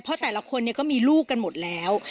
เพราะแต่ละคนก็มีลูกกันหมดแล้ว